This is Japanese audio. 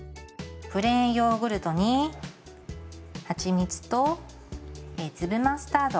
プレーンヨーグルトにはちみつと粒マスタード